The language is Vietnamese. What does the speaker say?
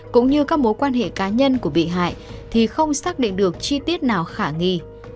cũng như các mối quan hệ cá nhân của bị hại thì không xác định được chi tiết nào khả nghi